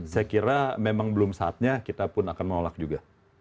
saya kira memang belum saatnya kita pun akan menolak juga